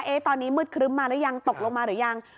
ตอนนี้มืดครึ้มมาหรือยังตกลงมาหรือยัง